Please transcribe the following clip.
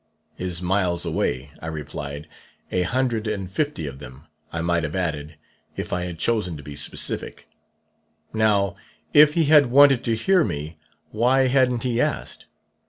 'Is miles away,' I replied. 'A hundred and fifty of them,' I might have added, if I had chosen to be specific. Now, if he had wanted to hear me, why hadn't he asked?